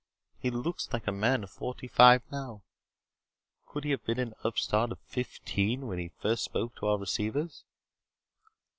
He looks like a man of forty five now. Could he have been an upstart of fifteen when he first spoke into our receivers?"